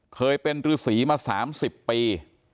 เคยเป็นฤษีมา๓๐ปี